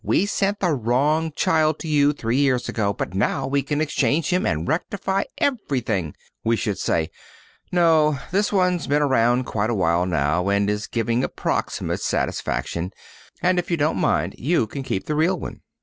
We sent the wrong child to you three years ago, but now we can exchange him and rectify everything," we would say, "No, this one's been around quite a while now and is giving approximate satisfaction, and if you don't mind you can keep the real one."